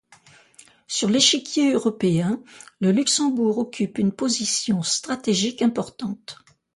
Sur l’échiquier européen, le Luxembourg occupe une position stratégique importante.